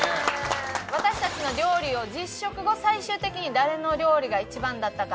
私たちの料理を実食後最終的に誰の料理が一番だったか